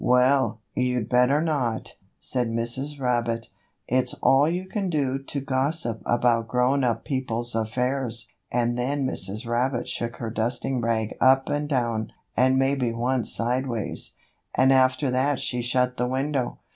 "Well, you'd better not," said Mrs. Rabbit. "It's all you can do to gossip about grown up people's affairs." And then Mrs. Rabbit shook her dusting rag up and down, and maybe once sideways, and after that she shut the window.